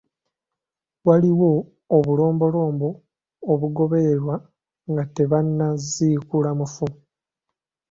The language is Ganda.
Waliwo obulombolombo obugobererwa nga tebannaziikula mufu.